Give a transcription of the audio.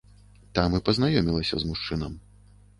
Там і пазнаёмілася з мужчынам.